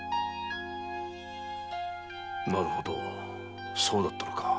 なるほどそうだったのか。